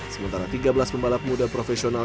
sementara tiga belas pembalap muda profesional